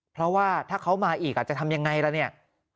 เพราะว่าถ้าเขามาอีกจะทำยังไงล่ะเนี่ย